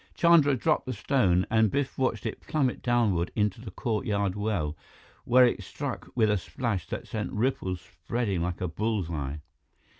Chandra dropped the stone, and Biff watched it plummet downward into the courtyard well, where it struck with a splash that sent ripples spreading like a bull's eye.